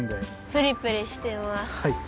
プリプリしてます。